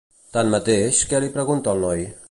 Tanmateix, què li pregunta el noi?